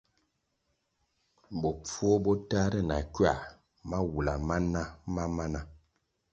Bopfuo bo tahre na kwā mawula ma na ma mana.